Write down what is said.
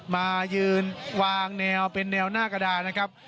มายืนวางแนวเป็นแนวหน้ากระดานนะครับ